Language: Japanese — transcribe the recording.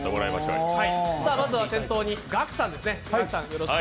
まずは先頭にガクさんですね。